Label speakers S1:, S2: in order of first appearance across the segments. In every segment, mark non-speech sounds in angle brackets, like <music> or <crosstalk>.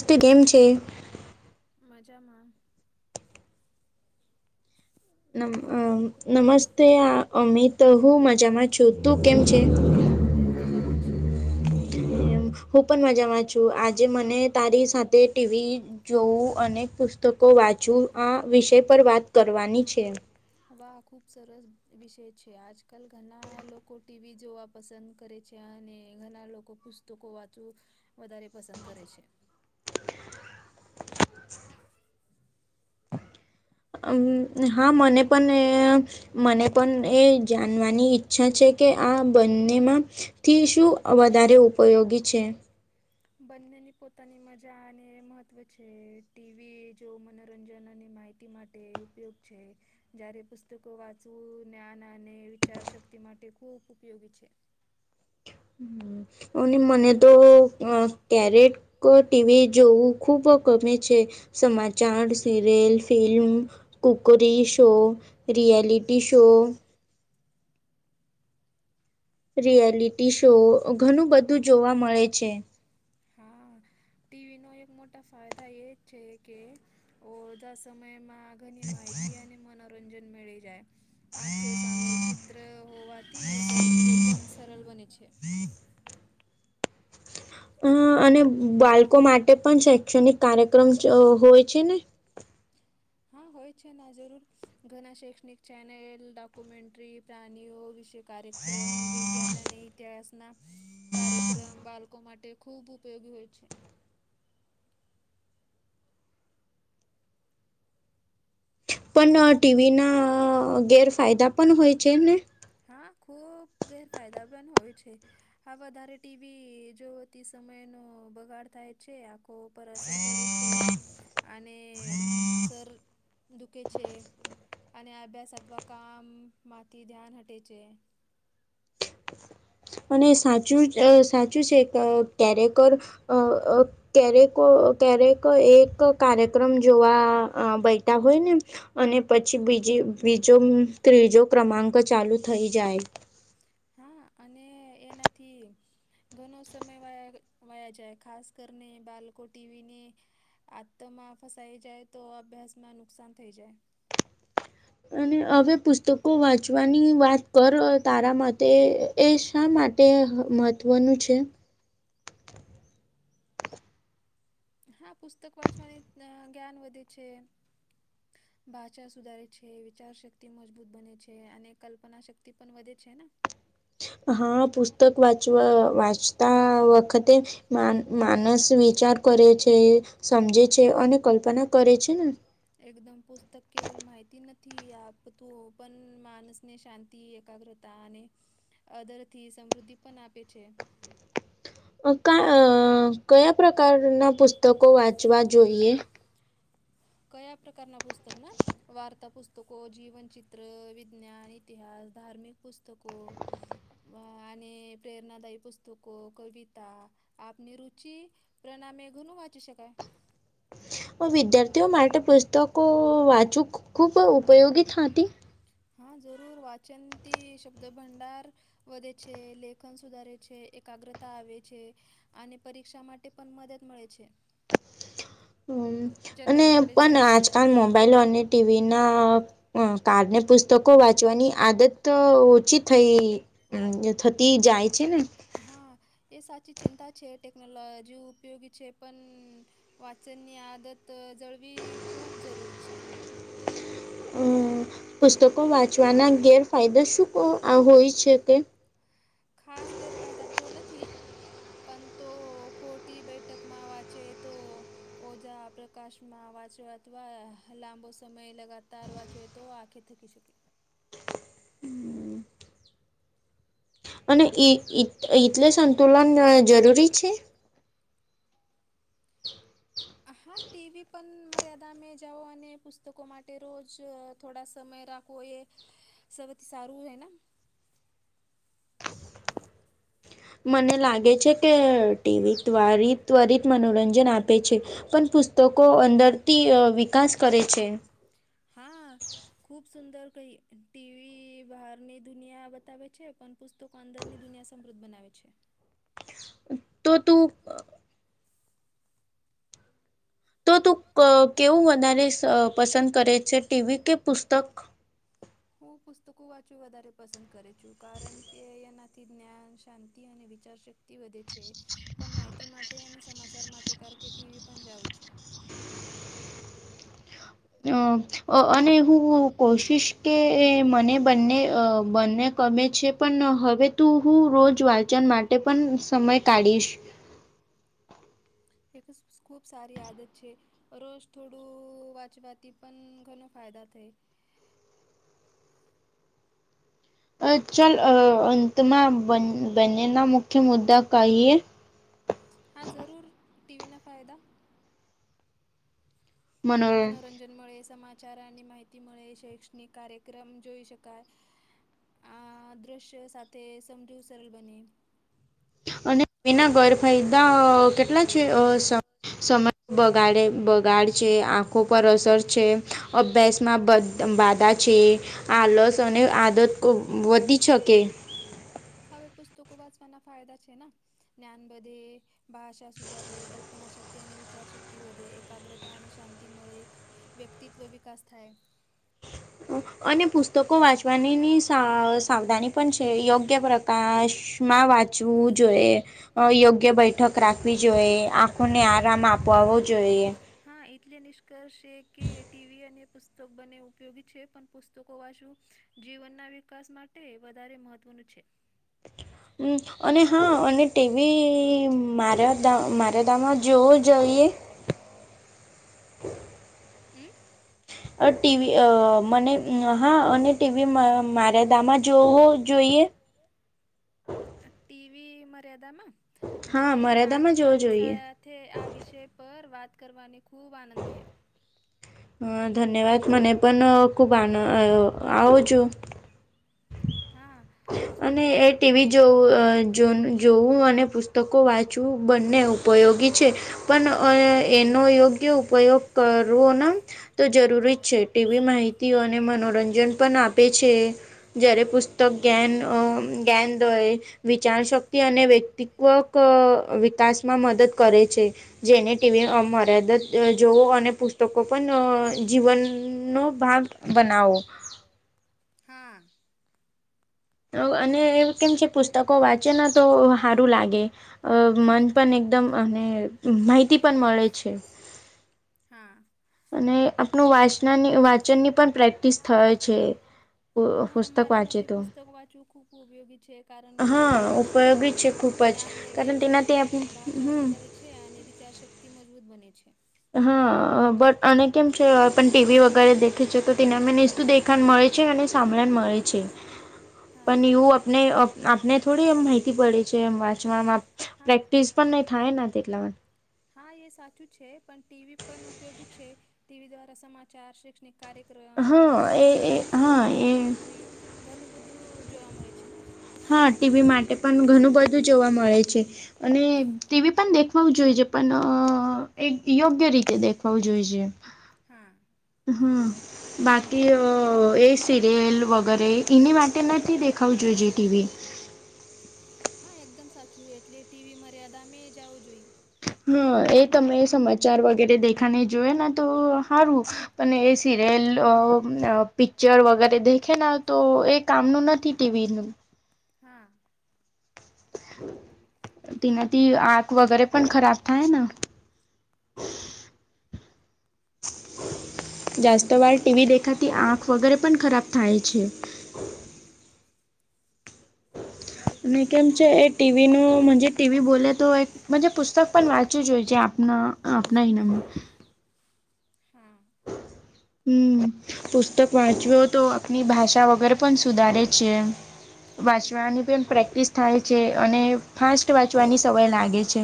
S1: કેમ છે મજા મા
S2: નમસ્તે આ અમિત હું મજામાં છું તું કેમ છે?
S1: મેં મજામાં છું.
S2: હું પણ મજામાં છું, આજે મને તારી સાથે ટી વી જોવું અને પુસ્ તકો વાંચુ આ વિષય પર વાત કરવાની છે.
S1: હવે આ ખૂબ સરસ વિષય છે. આજકાલ ઘણા લોકો ટી વી જોવા પસંદ કરે છે અને ઘણા લોકો પુસ્તકો વાંચવું વધારે પસંદ કરે છે.
S2: અમ હા મને પણ એ મને પણ એ જાણવાની ઈચ્છા છે કે આ બંનેમાં થી શું વધારે ઉપયોગી છે?
S1: બંનેની પોતાની મજા અને મહત્વ છે ટી વી જો મનોરંજન અને માહિ તી માટે ઉપયોગ છે. જ્યારે પુસ્તકો વાંચવું, જ્ઞાન અને વિચાર શક્તિ માટે ખૂબ ઉપયોગી છે.
S2: અને મને તો અ ક્યારેક ટી વી જોવું ખુબ ગમે છે. સમાચાર, serial, film cookery show, reality show. Reality show ઘણું બધું જોવા મળે છે.
S1: ટી વીનો એક મોટા ફાયદા એ જ છે કે ઓધા સમયમાં ઘની માહિતી અને મનોરંજન મેળ જાય આખે સામે ચિત્ર હોવાથી સમજવું એ પણ સરળ બને છે.
S2: અ અને બાળકો માટે પણ શૈક્ષણિક કાર્યક્રમ હોય છે ને?
S1: હા હોય છે ના જરૂર ઘણા શૈક્ષણિક ચેનેલ ડોક્યુમેન્ટ્રી પ્રાણીઓ વિષે કાર્યક્રમ વિ જ્ઞાન અને ઇતિહાસના કાર્યક્રમ બાળકો માટે ખૂબ ઉપયોગી હોય છે.
S2: પણ ટી વીના ગેરફાયદા પણ હોય છે ને?
S1: હા ખુબ ગેરફાયદા પણ હોય છે. હા વધારે ટીવી જોતી સમય નો બગાડ થાય છે આ ખો પર અસર પડે છે અને સર દુખે છે અને અભ્યાસ અથવા કામ માંથી ધ્યાન હટે છે.
S2: અને સાચું સાચું છે કે ક્યારેક ક્યારે ક ક્યારેક એક કાર્યક્રમ જોવા અ બેઠા હોય ને અને પછી બીજી બીજો ત્રીજો ક્રમાંક ચાલુ થઈ જાય.
S1: હા અને એનાથી દોનો સમય વાયા વાયા જાય ખાસ કરને બાલકો ટી વીને આ તોમાં ફસાઈ જાય તો અભ્યાસ માં નુકસાન થઈ જાય.
S2: અને હવે પુસ્તકો વાંચવાની વાત કરો તારા માટે એ શા માટે મહત્ત્વનું છે?
S1: હા પુસ્તક વાંચવાની જ્ઞાન વધે છે. ભાષા
S2: હા પુસ્તક વાંચવા વાંચતા વખતે માન માનસ વિચાર કરે છે, સમજે છે અને કલ્પના કરે છે ન.
S1: એકદમ પુસ્તક કેવલ માહિતી નથી આપતું પણ માનસ ને શાંતિ, એકાગ્ર તાને આ દર થી સમૃદ્ધિ પણ આપે છે.
S2: કા કયા પ્રકારના પુસ્તકો વાંચવા જોઈએ?
S1: કયા પ્રકારના પુસ્તક ના વાર્તા પુસ્તકો, જીવન ચિત્ર, વિજ્ઞાન, ઇતિહાસ, ધાર્મિક પુસ્તકો. અ અને પ્રેરણાદાયી પુસ્તકો, કવિતા આપની રુચિ પ્રણામે ઘુણું વાંચી શકાય.
S2: વિદ્યાર્થીઓ માટે પુસ્તકો વાંચવું ખૂબ ઉપયોગી હતી.
S1: હા જરૂર વાચનંતથી શબ્દ ભંડાર વધે છે લેખન સુધારે છે એકાગ્રતા આવે છે અને પરીક્ષા માટે પણ મદદ મળે છે
S2: હમ અને પણ આજકાલ મોમ બાઈલ અને ટીવી ના કારણે પુસ્તકો વા ચવાની આદત ઓછી થઈ થતી જાય છે ને
S1: હા એ સાચી ચિંતા છે ટેકનોલોજી ઉપયોગી છે પણ વાંચનની આદત જળવી ખૂબ જરૂરી છે
S2: પુસ્તકો વાંચવાના ગેરફાયદા શું હોય છે કે?
S1: ખાસ ગેરફાયદા તો નથી પણ તો ખોટી બેઠક માં વાંચે તો ઓજા પ્રકાશમાં વાંચવા તવા લાંબો સમય લગાતાર વાંચવે તો આખે થી કી શકે
S2: અને એટલે સંતુલન જરૂરી છે
S1: હા ટીવી પણ મર્યાદા મે જાઓ અને પુસ્તકો માટે રોજ થોડા સમય રા કોઈ સવથી સારું હોય ને
S2: મને લાગે છે કે ટીવી ત્વારીત ત્વરિત મનોરંજન આપે છે પણ પુસ્ત તો કો અંદરથી વિકાસ કરે છે
S1: હા ખુબ સુંદર કહી ટીવી બહારની દુનિયા બતાવે છે પણ પુસ તો અંદર ની દુનિયા સમૃદ્ધ બનાવે છે
S2: <inaudible>
S1: તો તું
S2: તો તું ક કેવું વધારે પસંદ કરે છે ટીવી કે પુસ્તક
S1: હું પુસ્તકો વાંચું વધારે પસંદ કરે છું કારણ કે એનાથી જ્ઞાન શાંતિ અને વિચાર શક્ થી વધે છે પણ માહિતી માટે અને સમાચાર માટે કાર કે ટીવી પણ જાઉં છું
S2: અ અ અને હું કોશિશ કે મને બંને અ બંને ગમે છે પણ હવે તું હું રોજ વાંચન માટે પણ સમય કાઢીશ
S1: એક ખૂબ સારી આદત છે રોજ થોડું વાંચવાથી પણ ઘનો ફાયદા થાય
S2: અ ચાલ અ અંતમાં બન બંનેના મુખ્ય મુદ્દા કઈએ
S1: હા જરૂર ટીવીના ફાયદા મનોરંજન મળે સમાચાર અને માહિતી મળે શૈક્ષણિક કાર્યક્રમ જોઈ શકાય આ દ્રશ્ય સાથે સમજું સરળ બને
S2: અને વિના ગરફાયદા કેટલા છે સમય બગાડે બગાડ છે આ ખો પર અસર છે અભ્યાસમાં બાધા છે આલસ અને આદત
S1: આદત ખુબ વધી શકે હવે પુસ્તકો વાંચવાના ફાયદા છે ને જ્ઞાન બધે ભાષા સુધારે કલ્પના શક્તિ અને વિચારશક્તિ વધે એકાગ્રતા અને શાંતિ મળે વ્યક્તિત્વ વિકાસ થાય
S2: અને પુસ્તકો વાંચવાનીની સા સાવધાની પણ છે યોગ ગ્ય પ્રકાશમાં વાંચવું જોઈએ યોગ્ય બેઠક રાખવી જોઈએ આંખોને આરામ આપવાવો જોઈએ
S1: હા એટલે નિષ્કર્ષ છે કે ટીવી અને પુસ્તક બને ઉપયોગી છે પણ પુસ્તકો વાછું જીવનના વિકાસ માટે વધારે મહત્ત્વનું છે
S2: હ અને હા અને ટીવી મારા દા મારા દામાં જોવું જોઈએ
S1: અમ અ ટી મને હા અને ટીવી મારે દામાં જોવો જો ટીવી મર્યાદામાં મને આજે તાજી સા સાથે આ વિષય પર વાત કરવાનો ખૂબ આનંદ થયો
S2: હ ધન્યવાદ મને પણ ખુબ આન આવુંજું
S1: હા
S2: અને એ ટીવી જોવું જો જોવું અને પુસ્તકો વાંચવું બંને ઉપયોગી છે પણ એનો યોગ્ય ઉપયોગ કરવો તો જરૂરી જ છે ટીવી માહિતીઓ અને મનોરંજન પણ આપે છે જ્યારે પુસ્ત જ્ઞાન જ્ઞાનદય વિચાર શક્તિ અને વ્યક્તિત્વ વિકાસમાં મદદ કરે છે જેને ટીવી મર્યાદત જોવઓ અને પ તો પણ જીવનનો ભાગ બનાવો
S1: હા
S2: અને એ કેમ છે પુસ્તકો વાંચેને તો સારું લાગે અ મન પણ એકદમ અને માહિતી પણ મળે છે
S1: હા
S2: અને આપણું વાચનની વાંચનની પણ પ્રેક્ટિસ થાય છે
S1: હા મારા મતે પુસ્તક વાંચવું ખૂબ ઉપયોગી છે કારણ કે એનાથી જ્ઞાન વધે છે ભાષા સુધારે છે અને વિચાર શક્તિ મજબૂત બને છે
S2: હા બટ અને કેમ છે પણ ટીવી વગેરે દેખે છે તો તેને અને નેસ્તુ દેખાણ મળે છે અને સાંભળાણ મળે છે પ છેી પણ એવું આપને આપને થોડી એ માહિતી પડે છે એમ વાંચ પ્ર ટીઝ પણ નહીં થાય ને તેટલામાં
S1: હા એ સાચું છે પણ ટીવી પણ ઉપયોગી છે ટીવી દ્વારા સમાચાર શૈક્ષણિક કાર્યક્રમ ફિલ્મ કુકિંગ શો ડોક્યુમેન્ટ્રી ઘરનું બધું જોવા મળે છે ને
S2: હા ટીવી માટે પણ ઘણું બધું જોવા મળે છે અને ટીવી પણ દેખવાું જોઈએ છે પણ એ યોગ્ય રીતે દેખવું જોઈ છે
S1: હા
S2: હમ બાકી એ સિરિયલ વગેરે એની માટે નથી દેખ ખઉજજી ટીવી
S1: હા એકદમ સાચું એટલે ટીવી મર્યાદા મે જાવો જોઈએ
S2: હા એ તમે સમાચાર વગેરે દેખાને જોય ને તો સારું અને એ સિરિયલ પિક્ચર વગેરે દેખે તો એ કામનું નથી તેવી
S1: હા
S2: તેનાથી આખ વગેરે પણ ખરાબ થાય <inaudible> <inaudible> જાસ્ત વાર ટીવી દેખાતી આંખ વગેરે પણ ખરાબ થાય છે અને કેમ છે એ ટીવીનુંજ ટીવી બોલે તો એક પુસ્તક પણ વાંચવું જ જોઈ છે આપના આપનાય નમ હમ પુસ્તક વાંચવ્યો તો આપની ભાષા વગેર પણ સુધારે છે વાંચવાની પણ પ્રેક્ટિસ થાય છે અને ફાસ્ટ વાંચવાની સમય લાગે છે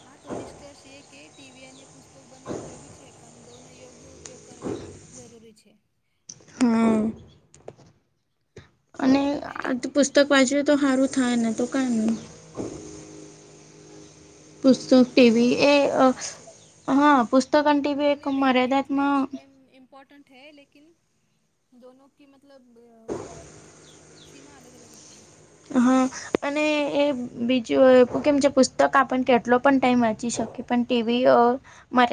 S1: હા તો નિષ્કર્ષ એ કે ટીવી અને પુસ્તક બને ઉપયોગી છે પણ દોને યોગ્ય ઉપયોગ કરવા જરૂરી છે.
S2: હા. અને આ પુસ્તક વાંચ્યું તો સારું થાય ને તો કઈ ન- -
S1: હા બહુ તો સરસ વાત છે. દોને એટલે જ એમ- - ઈમ્પોર્ટન્ટ હૈ લેકી ન દોનો કે મતલબ- - સીમા અલગ અલગ હોતી હે.
S2: હા અને એ બીજું કેમ છે પુસ્ત તો કા પણ કેટલો પણ ટાઈમ વાચી શકી પણ ટીવી ઓ માટે